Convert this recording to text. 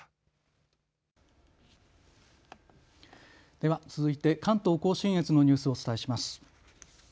では続いて関東甲信越のニュースをお伝えします。